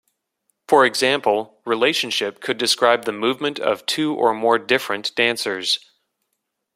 For example, relationship could describe the movement of two or more different dancers.